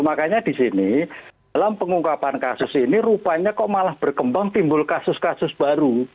makanya di sini dalam pengungkapan kasus ini rupanya kok malah berkembang timbul kasus kasus baru